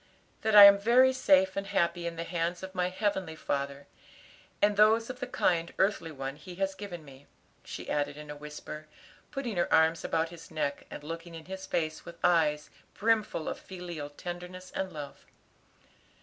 That I am very safe and happy in the hands of my heavenly Father and those of the kind earthly one He has given me," she added in a whisper, putting her arms about his neck, and looking in his face with eyes brimful of filial tenderness and love.